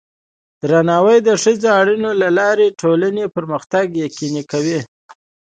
درناوی د ښو اړیکو له لارې د ټولنې پرمختګ یقیني کوي.